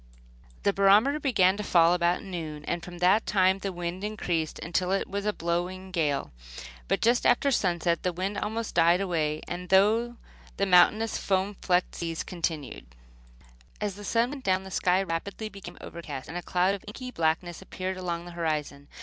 The barometer began to fall about noon, and from that time the wind increased until it was blowing a gale; but just after sunset the wind almost died away, though the mountainous foam flecked seas continued. As the sun went down the sky rapidly became overcast, and a cloud of inky blackness appeared along the horizon.